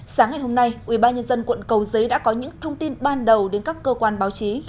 sáng ngày hôm nay ubnd quận cầu giấy đã có những thông tin ban đầu đến các cơ quan báo chí